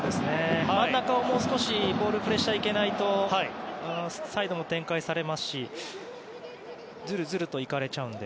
真ん中をもう少しプレッシャー行けないとサイドの展開されますしずるずるといかれちゃうので。